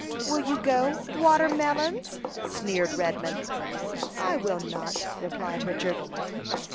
"Will you go, Watermelons?" sneered Redman. "I will not," replied Richard.